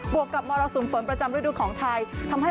วกกับมรสุมฝนประจำฤดูของไทยทำให้